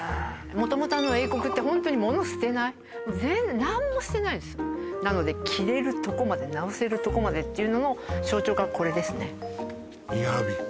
元々あの英国ってホントに物を捨てないぜん何も捨てないですなので着れるとこまで直せるとこまでっていうのの象徴がこれですね